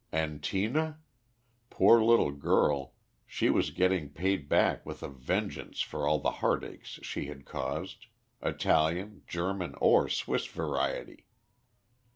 And Tina? Poor little girl, she was getting paid back with a vengeance for all the heart aches she had caused Italian, German, or Swiss variety.